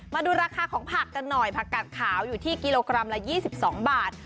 มาดูราคาของผักกันหน่อยผักกัดขาวอยู่ที่กิโลกรัมละ๒๒บาท